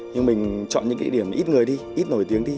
nhưng mình chọn những địa điểm ít người đi ít nổi tiếng đi